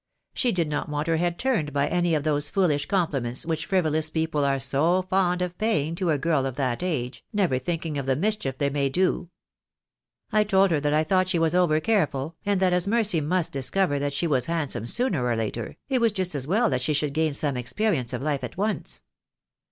She did not want her head turned by any of those foolish compliments which frivolous people are so fond of paying to a girl of that age, never thinking of the mischief they may do. I told her that I thought she was over careful, and that as THE DAY WILL COME. 305 Mercy must discover that she was handsome sooner or later, it was just as well she should gain some experience of life at once.